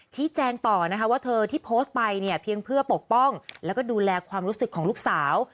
ชี้แจงต่อนะคะว่าเธอที่โพสต์ไปเนี่ยเพียงเพื่อปกป้องแล้วก็ดูแลความรู้สึกของลูกสาว